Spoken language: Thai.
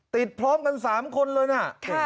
ติดพร้อมกันสามคนเลยน่ะ